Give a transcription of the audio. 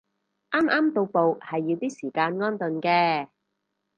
啱啱到埗係要啲時間安頓嘅